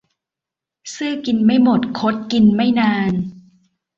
ซื่อกินไม่หมด คดกินไม่นาน